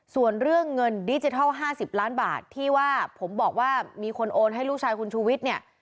ส่วนเรื่องเงินดิจิทัล๕๐ล้านบาทที่ว่าผมบอกว่ามีคนโอนให้ลูกชายคุณชูวิทย์เนี่ย